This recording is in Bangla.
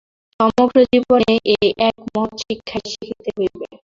সমগ্র জীবনে এই এক মহৎ শিক্ষাই শিখিতে হইবে।